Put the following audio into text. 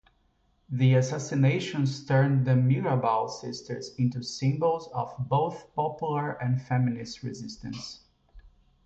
The assassinations turned the Mirabal sisters into "symbols of both popular and feminist resistance".